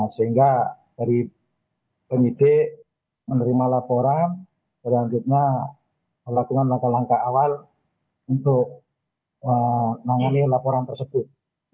sehingga dari penyidik menerima laporan selanjutnya melakukan langkah langkah awal untuk menangani laporan tersebut